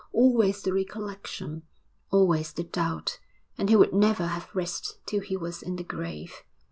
Always the recollection, always the doubt, and he would never have rest till he was in the grave.